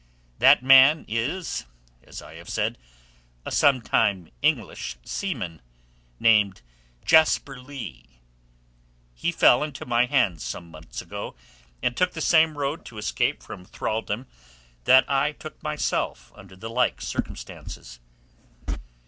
That man is, as I have said, a sometime English seaman, named Jasper Leigh. He fell into my hands some months ago, and took the same road to escape from thraldom that I took myself under the like circumstances.